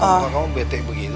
kenapa kamu bete begitu